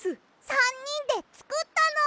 ３にんでつくったの！